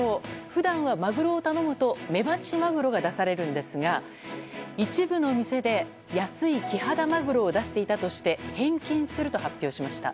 普段はまぐろを頼むとメバチマグロが出されるんですが一部の店で安いキハダマグロを出していたとして返金すると発表しました。